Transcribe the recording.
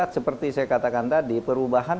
seperti saya katakan tadi perubahan